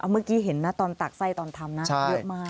เมื่อกี้เห็นนะตอนตักไส้ตอนทำนะเยอะมาก